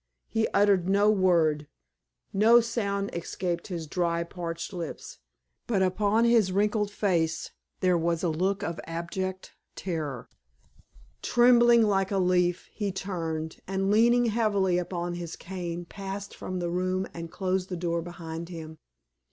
He uttered no word; no sound escaped his dry, parched lips; but upon his wrinkled face there was a look of abject terror. Trembling like a leaf, he turned, and leaning heavily upon his cane, passed from the room and closed the door behind him.